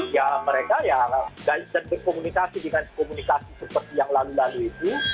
ya mereka ya dan berkomunikasi dengan komunikasi seperti yang lalu lalu itu